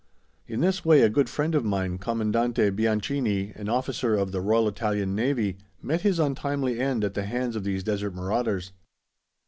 In this way a good friend of mine, Comandante Bianchini, an officer of the Royal Italian Navy, met his untimely end at the hands of these desert marauders.